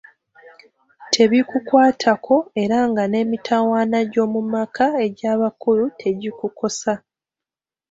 Tebikukwatako era nga ne mitawaana gy'omu maka egy'abakulu tegikukosa.